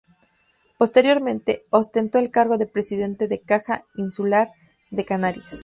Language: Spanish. Posteriormente ostentó el cargo de presidente de Caja Insular de Canarias.